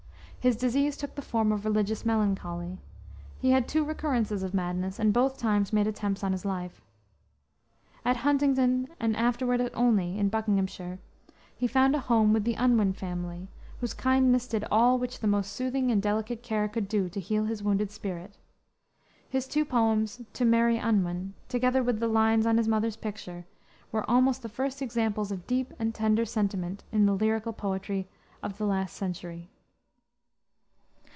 His disease took the form of religious melancholy. He had two recurrences of madness, and both times made attempts upon his life. At Huntingdon, and afterward at Olney, in Buckinghamshire, he found a home with the Unwin family, whose kindness did all which the most soothing and delicate care could do to heal his wounded spirit. His two poems To Mary Unwin, together with the lines on his mother's picture, were almost the first examples of deep and tender sentiment in the lyrical poetry of the last century.